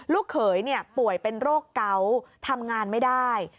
ลูกเขยป่วยเป็นโรคเกาะทำงานไม่ได้